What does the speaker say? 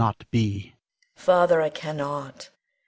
Father, I cannot.